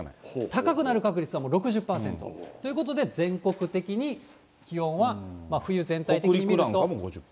高くなる確率はもう６０％。ということで全国的に気温は冬全体的に見ると。